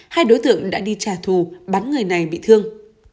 hai đối tượng đã đi trả thù bắn người này bị thương